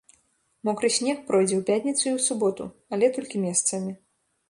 Мокры снег пройдзе ў пятніцу і ў суботу, але толькі месцамі.